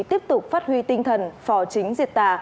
tiếp tục phát huy tinh thần phò chính diệt tà